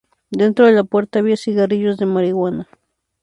Dentro de la puerta había cigarrillos de marihuana.